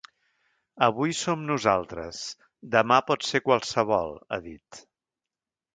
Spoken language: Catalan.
Avui som nosaltres, demà pot ser qualsevol, ha dit.